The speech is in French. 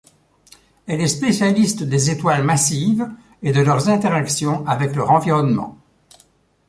Elle est spécialiste des étoiles massives et de leurs interactions avec leur environnement.